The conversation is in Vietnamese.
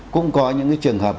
cũng có những cái trường hợp